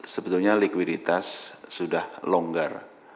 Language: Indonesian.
sebetulnya likuiditas sudah longgar